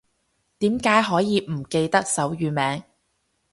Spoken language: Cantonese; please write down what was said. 點解可以唔記得手語名